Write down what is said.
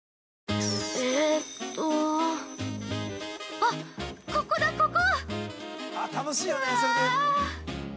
◆あっ、ここだ、ここ！